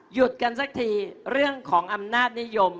หยุดกันสักทีเรื่องของอำนาจนิยม